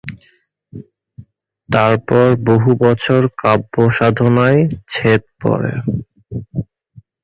তারপর বহু বছর কাব্য সাধনায় ছেদ পড়ে।